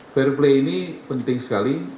fair play ini penting sekali